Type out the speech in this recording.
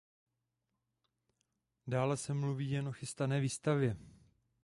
Dále se mluví jen o chystané výstavě.